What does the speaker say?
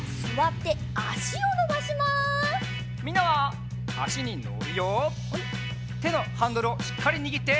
てのハンドルをしっかりにぎって。